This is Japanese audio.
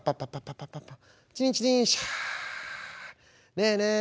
「ねえねえ！」。